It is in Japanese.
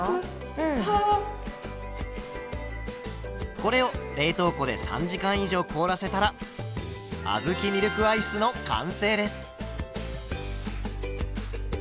これを冷凍庫で３時間以上凍らせたらあずきミルクアイスの完成です。